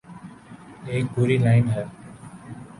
ایک پوری لائن ہے۔